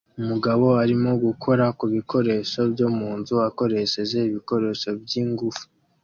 Umugabo arimo gukora ku bikoresho byo mu nzu akoresheje ibikoresho by'ingufu